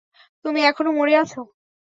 তুমি এখনও মরে আছো।